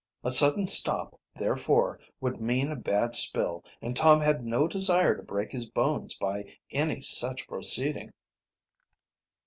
A sudden stop, therefore, would mean a bad spill, and Tom had no desire to break his bones by any such proceeding.